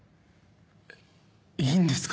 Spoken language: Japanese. えっいいんですか？